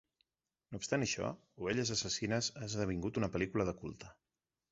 No obstant això, "Ovelles assassines" ha esdevingut una pel·lícula de culte.